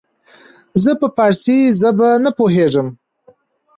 زه په پاړسي زبه نه پوهيږم